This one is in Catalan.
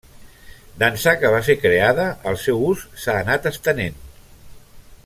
D'ençà que va ser creada, el seu ús s'ha anat estenent.